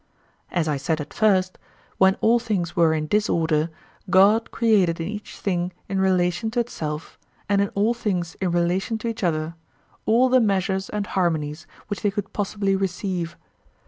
As I said at first, when all things were in disorder God created in each thing in relation to itself, and in all things in relation to each other, all the measures and harmonies which they could possibly receive.